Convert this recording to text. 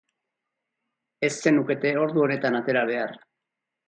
Ez zenukete ordu honetan atera behar.